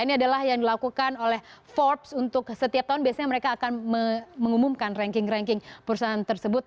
ini adalah yang dilakukan oleh forbes untuk setiap tahun biasanya mereka akan mengumumkan ranking ranking perusahaan tersebut